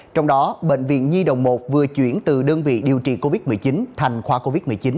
trong đó bệnh viện nhi đồng một vừa chuyển từ đơn vị điều trị covid một mươi chín thành khoa covid một mươi chín